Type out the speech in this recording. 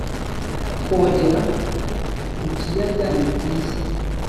kogera ku kiyaga nibyiza